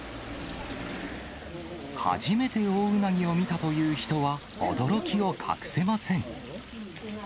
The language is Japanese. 初めてオオウナギを見たという人は、驚きを隠せません。